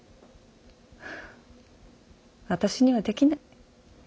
私にはできない。